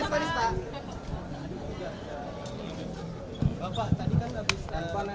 bapak tadi kan mbak pistah